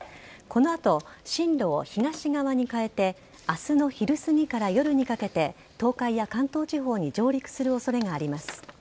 この後、進路を東側に変えて明日の昼すぎから夜にかけて東海や関東地方に上陸する恐れがあります。